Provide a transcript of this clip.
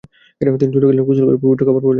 তিনি চলে গেলেন, গোসল করে পবিত্র কাপড় পরে এলেন।